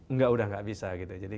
enggak udah nggak bisa gitu jadi